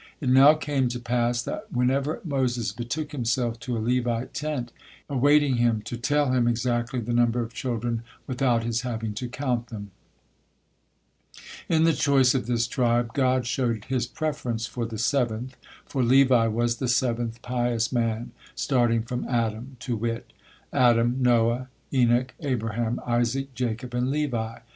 It now came to pass that whenever Moses betook himself to a Levite tent he found the Shekinah awaiting him, tell him exactly the number of children without his having to count them. In the choice of this tribe God showed His preference for the seventh, for Levi was the seventh pious man, starting from Adam, to wit: Adam, Noah, Enoch, Abraham, Isaac, Jacob, and Levi.